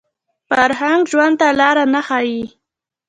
فرهنګ ژوند ته لاره نه ښيي